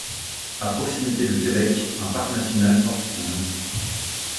À proximité de Québec un parc national porte son nom.